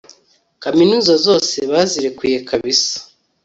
kaminuza zose bazirekuye kabisa